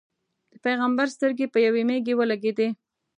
د پېغمبر سترګې په یوې مېږې ولګېدې.